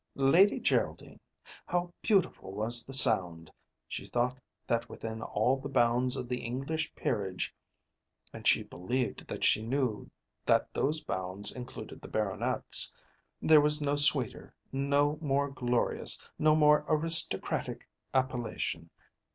Lady Geraldine! How beautiful was the sound! She thought that within all the bounds of the English peerage, and she believed that she knew that those bounds included the Baronets, there was no sweeter, no more glorious, no more aristocratic appellation.